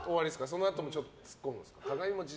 そのあともツッコむんですか？